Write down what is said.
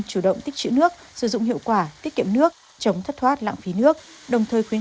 chủ động tích chữ nước sử dụng hiệu quả tiết kiệm nước chống thất thoát lãng phí nước đồng thời khuyến